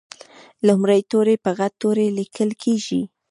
لومړی توری په غټ توري لیکل کیږي.